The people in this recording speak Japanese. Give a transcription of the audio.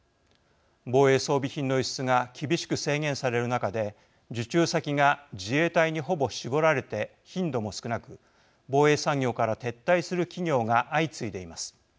防衛装備品の輸出が厳しく制限される中で受注先が自衛隊にほぼ絞られて頻度も少なく防衛産業から撤退する企業が相次いでいます。